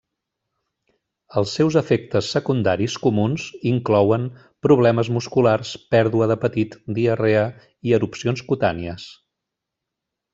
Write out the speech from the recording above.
Els seus efectes secundaris comuns inclouen problemes musculars, pèrdua d'apetit, diarrea, i erupcions cutànies.